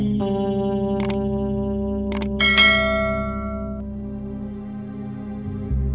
dia sudah meminta mama judi